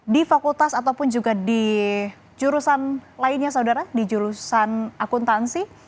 di fakultas ataupun juga di jurusan lainnya saudara di jurusan akuntansi